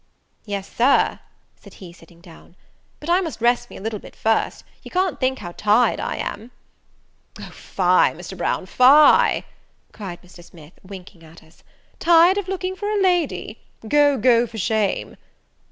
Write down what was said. "Yes, Sir," said he, sitting down; "but I must rest me a little bit first. You can't think how tired I am." "O fie, Mr. Brown, fie," cried Mr. Smith, winking at us, "tired of looking for a lady! Go, go, for shame!"